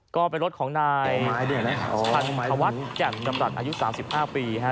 ก็เป็นรถของนายพันธวัฒน์แจ่มดำรัฐอายุ๓๕ปี